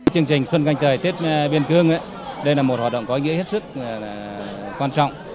chương trình xuân canh trời tết biên cương là một hoạt động có nghĩa hết sức quan trọng